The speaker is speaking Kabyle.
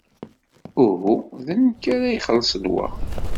Uhu, d nekk ara ixellṣen wa.